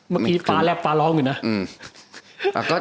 เมื่อกี้ฟ้าแลบฟ้าร้องอยู่นะ